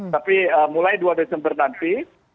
tapi mulai dua desember nanti